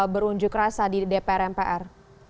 berunjuk rasa di dpr mpr